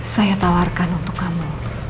saya tawarkan untuk kamu